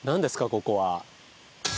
ここは。